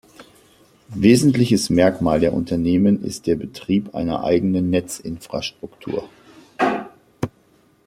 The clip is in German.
Wesentliches Merkmal der Unternehmen ist der Betrieb einer eigenen Netzinfrastruktur.